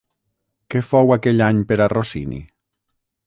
Què fou aquell any per a Rossini?